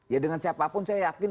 ya dengan siapapun saya yakin